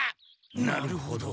なるほど。